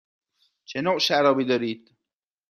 چه نوع شرابی دارید؟